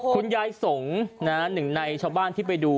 คุณยายสงฆ์หนึ่งในชาวบ้านที่ไปดู